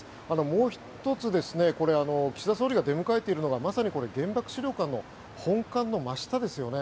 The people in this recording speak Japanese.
もう１つ岸田総理が出迎えているのがまさに原爆資料館の本館の真下ですよね。